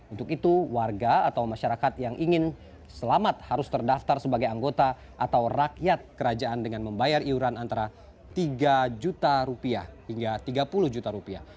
untuk itu warga atau masyarakat yang ingin selamat harus terdaftar sebagai anggota atau rakyat kerajaan dengan membayar iuran antara tiga juta rupiah hingga tiga puluh juta rupiah